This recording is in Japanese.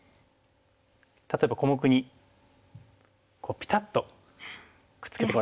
例えば小目にこうピタッとくっつけてこられたら。